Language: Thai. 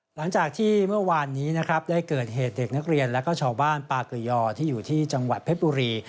หลังจากที่เมื่อวานนี้นะครับได้เกิดเหตุเด็กนักเรียนและก็ชาวบ้านปากเกยอที่อยู่ที่จังหวัดเพชรบุรี